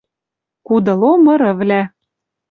КУДЫЛО МЫРЫВЛӒ